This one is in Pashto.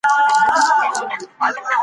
د علم Acquisition د زمانې تقاضا ده.